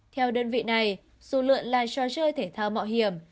theo đơn vị này rủi ro là cho chơi thể thao mạo hiểm